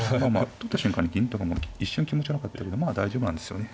取った瞬間に銀とかも一瞬気持ち悪かったけどまあ大丈夫なんですよね。